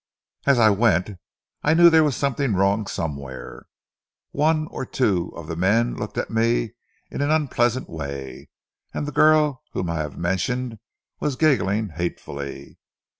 "As I went, I knew there was something wrong somewhere. One or two of the men looked at me in an unpleasant way, and the girl whom I have mentioned was giggling hatefully....